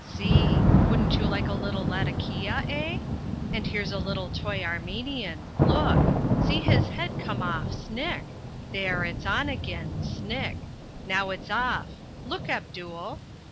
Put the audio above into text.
See! Wouldn't you like a little latakia, eh? And here's a little toy Armenian look! See his head come off snick! There, it's on again, snick! now it's off! look, Abdul!"